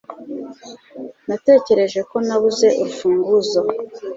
Natekereje ko nabuze urufunguzo